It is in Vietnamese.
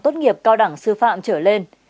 tốt nghiệp cao đẳng sư phạm trở lên